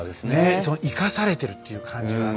その生かされてるっていう感じはね。